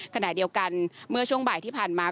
ขณะเดียวกันเมื่อช่วงบ่ายที่ผ่านมา